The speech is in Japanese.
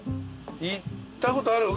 行ったことある？